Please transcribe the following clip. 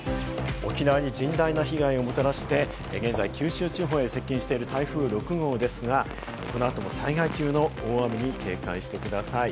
沖縄に甚大な被害をもたらして、現在、九州地方へ接近している台風６号ですが、この後も災害級の大雨に警戒してください。